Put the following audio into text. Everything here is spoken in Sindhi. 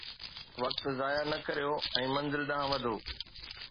وقت ضايع نه ڪريو ۽ منزل ڏانهن وڌو.